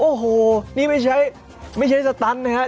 โอ้โหนี่ไม่ใช่สตันนะครับ